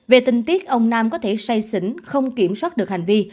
về tình tiết ông nam có thể say xỉn không kiểm soát được hành vi